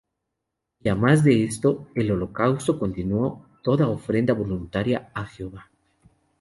Y á más de esto, el holocausto continuo, toda ofrenda voluntaria á Jehova.